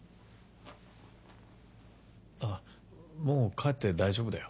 あっもう帰って大丈夫だよ。